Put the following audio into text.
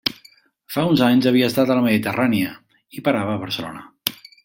Fa uns anys havia estat a la Mediterrània i parava a Barcelona.